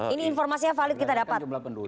ini informasinya valid kita dapat